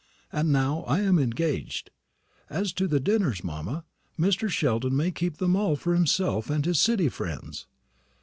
And now I am engaged. As to the dinners, mamma, Mr. Sheldon may keep them all for himself and his City friends.